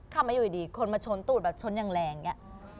ทำไมอยู่ดีคนมาชนตูดแบบชนอย่างแรงอย่างนี้